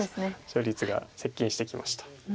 勝率が接近してきました。